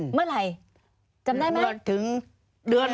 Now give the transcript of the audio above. เมื่อไหร่จำได้ไหม